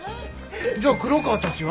じゃあ黒川たちは？